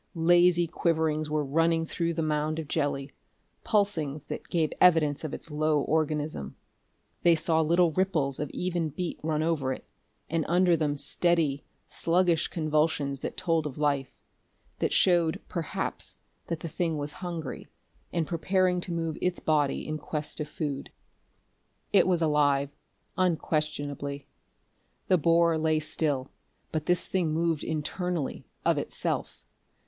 Lazy quiverings were running through the mound of jelly, pulsings that gave evidence of its low organism. They saw little ripples of even beat run over it, and under them steady, sluggish convulsions that told of life; that showed, perhaps, that the thing was hungry and preparing to move its body in quest of food. It was alive, unquestionably. The borer lay still, but this thing moved internally, of itself.